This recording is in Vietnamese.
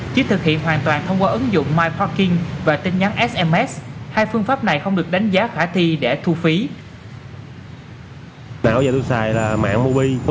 chứ thực hiện hoàn toàn thông qua ứng dụng myparking và tin nhắn sms